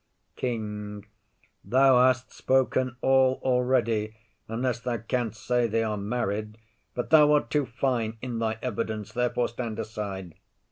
KING. Thou hast spoken all already, unless thou canst say they are married; but thou art too fine in thy evidence; therefore stand aside.